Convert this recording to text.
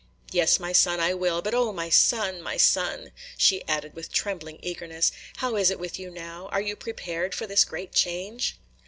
"Yes, my son, I will; but O my son, my son!" she added with trembling eagerness, "how is it with you now? Are you prepared for this great change?"